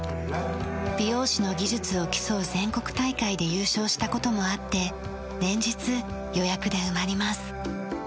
美容師の技術を競う全国大会で優勝した事もあって連日予約で埋まります。